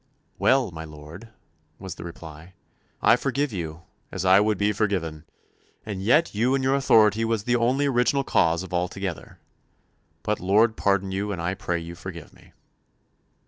"Well, my Lord," was the reply, "I forgive you, as I would be forgiven. And yet you and your authority was the only original cause of all together. But the Lord pardon you, and I pray you forgive me."